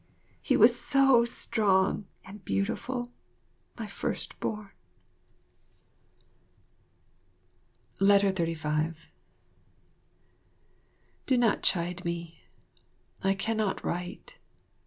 He was so strong and beautiful, my first born. 35 Do not chide me. I cannot write.